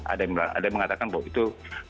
ada yang mengatakan bahwa itu